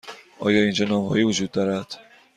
آیا اینجا نانوایی وجود دارد؟